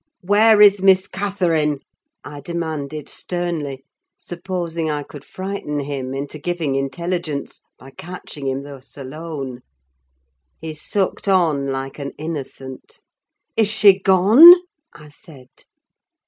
"Where is Miss Catherine?" I demanded sternly, supposing I could frighten him into giving intelligence, by catching him thus, alone. He sucked on like an innocent. "Is she gone?" I said.